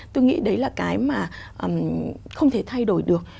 tôi nghĩ đấy là cái mà không thể thay đổi được